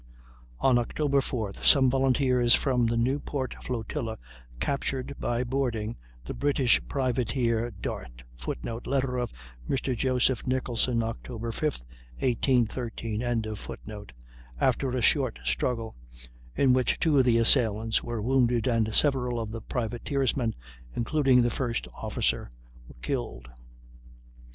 On October 4th some volunteers from the Newport flotilla captured, by boarding, the British privateer Dart, [Footnote: Letter of Mr. Joseph Nicholson, Oct. 5, 1813.] after a short struggle in which two of the assailants were wounded and several of the privateersmen, including the first officer, were killed.